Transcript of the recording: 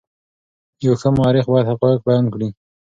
یو ښه مورخ باید حقایق بیان کړي.